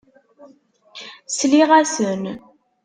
Sliɣ-asen.